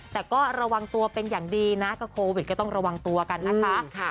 แต่ก็ระวังตัวเป็นอย่างดีนะก็โควิดก็ต้องระวังตัวกันนะคะ